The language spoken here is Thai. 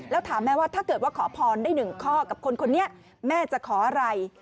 แล้วถามแม่ว่าถ้าเกิดว่าขอพรได้หนึ่งข้อกับคนคนนี้แม่จะขออะไร